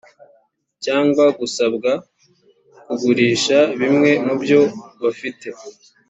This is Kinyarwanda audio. cyangwa gusabwa kugurisha bimwe mubyo bafite